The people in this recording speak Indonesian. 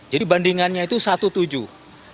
jadi bandingannya itu satu tujuh